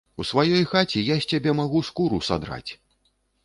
У сваёй хаце я з цябе магу скуру садраць.